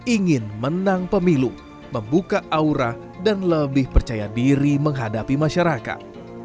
ingin menang pemilu membuka aura dan lebih percaya diri menghadapi masyarakat